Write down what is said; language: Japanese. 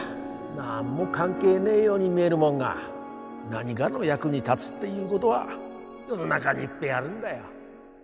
何も関係ねえように見えるもんが何がの役に立つっていうごどは世の中にいっぺえあるんだよ。